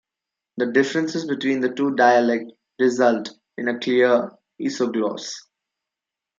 The differences between the two dialect result in a "clear isogloss".